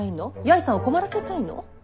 八重さんを困らせたいの？